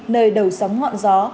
nơi đầu sóng họn gió